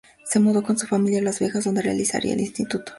Se mudó con su familia a Las Vegas, donde realizaría el Instituto.